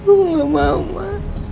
oh gak mama